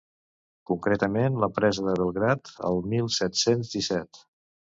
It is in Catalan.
Concretament la presa de Belgrad, el mil set-cents disset.